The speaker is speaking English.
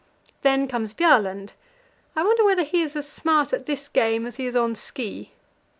Then comes Bjaaland; I wonder whether he is as smart at this game as he is on ski?